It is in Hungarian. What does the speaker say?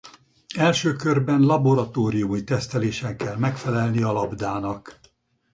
Első körben laboratóriumi tesztelésen kell megfelelni a labdának.